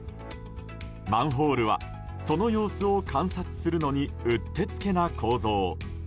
マンホールはその様子を観察するのにうってつけな構造。